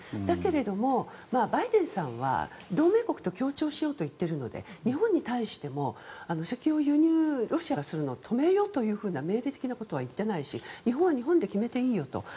だけれども、バイデンさんは同盟国と協調しようと言っているので日本に対しても石油をロシアから輸入するのやめろと命令的なことは言っていないし日本は日本で決めていいよと。